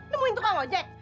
nemuin tukang ojek